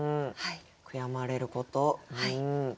悔やまれることうん。